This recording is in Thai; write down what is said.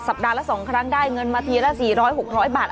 ปัดละ๒ครั้งได้เงินมาทีละ๔๐๐๖๐๐บาท